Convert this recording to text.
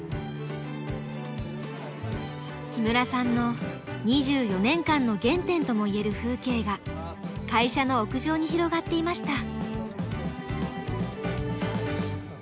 木村さんの２４年間の原点ともいえる風景が会社の屋上に広がっていました。